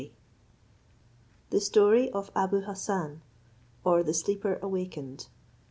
THE STORY OF ABOU HASSAN, OR THE SLEEPER AWAKENED.